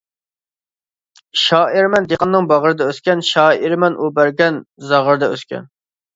شائىرمەن دېھقاننىڭ باغرىدا ئۆسكەن، شائىرمەن ئۇ بەرگەن زاغرىدا ئۆسكەن.